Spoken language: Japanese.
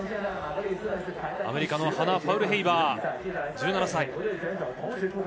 アメリカのハナ・ファウルヘイバー、１７歳。